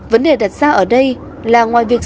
vấn đề đặt ra ở đây là ngoài việc